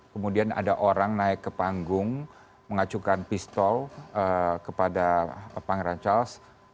kemudian ada orang naik ke panggung mengacukan pistol kepada pangeran charles